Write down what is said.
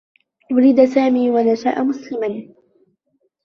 وُلد سامي و نشأ مسلما.